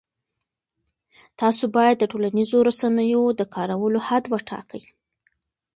تاسو باید د ټولنیزو رسنیو د کارولو حد وټاکئ.